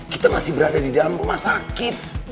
kita masih berada di dalam rumah sakit